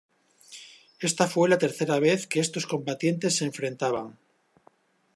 Esta fue la tercera vez que estos combatientes se enfrentaban.